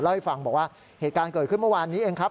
ให้ฟังบอกว่าเหตุการณ์เกิดขึ้นเมื่อวานนี้เองครับ